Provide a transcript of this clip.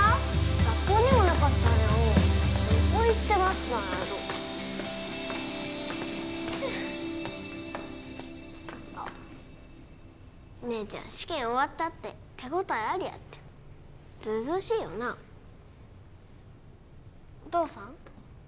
学校にもなかったんやおどこ行ってまったんやろうふうあっ姉ちゃん試験終わったって手応えありやってずうずうしいよなお父さん？